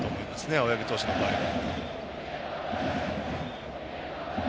青柳投手の場合は。